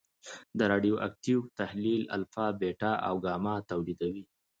د رادیواکتیو تحلیل الفا، بیټا او ګاما تولیدوي.